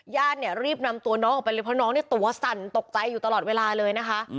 ญาติเนี่ยรีบนำตัวน้องออกไปเลยเพราะน้องเนี่ยตัวสั่นตกใจอยู่ตลอดเวลาเลยนะคะ